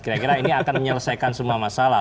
kira kira ini akan menyelesaikan semua masalah